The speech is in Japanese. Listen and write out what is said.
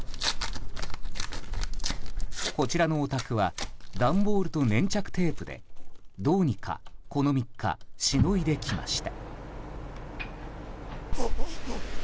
こちらのお宅は段ボールと粘着テープでどうにかこの３日しのいできました。